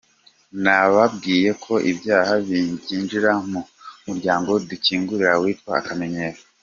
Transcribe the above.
Nababwiye ko ibyaha byinjirira mu muryango dukingura witwa akamenyero.